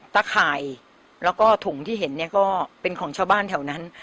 ข่ายแล้วก็ถุงที่เห็นเนี่ยก็เป็นของชาวบ้านแถวนั้น